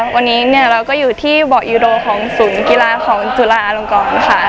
วันนี้เราก็อยู่ที่เบาะยูโดของศูนย์กีฬาของจุฬาลงกรค่ะ